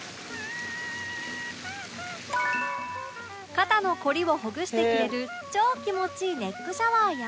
肩の凝りをほぐしてくれる超気持ちいいネックシャワーや